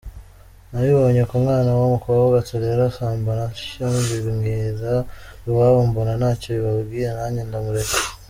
Nabibonye ku mwana wumukobwa turera asambana atyo mbimwira iwabo mbona ntacyo bibabwiye nange ndamureka.